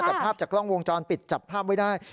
แต่ภาพจากกล้องวงจรปิดจับภาพไว้ได้